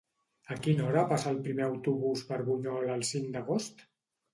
A quina hora passa el primer autobús per Bunyol el cinc d'agost?